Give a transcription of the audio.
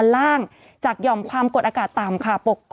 ศูนย์อุตุนิยมวิทยาภาคใต้ฝั่งตะวันอ่อค่ะ